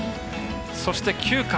そして、９回。